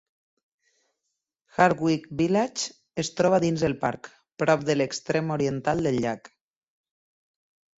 Hardwick Village es troba dins el parc, prop de l'extrem oriental del llac.